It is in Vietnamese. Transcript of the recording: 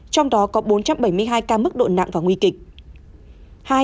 trong đó có bốn trăm bảy mươi hai ca mức độ nặng và nguy kịch